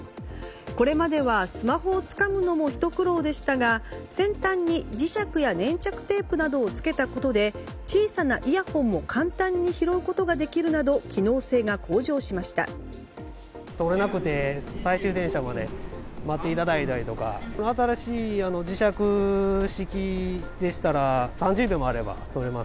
これまでは、スマホをつかむのもひと苦労でしたが先端に磁石や粘着テープなどを付けたことで小さなイヤホンも簡単に拾うことができるなど機能性が向上しました。